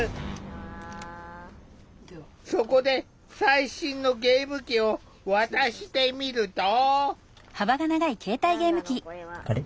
そこで最新のゲーム機を渡してみると。